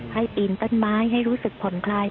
ปีนต้นไม้ให้รู้สึกผ่อนคลาย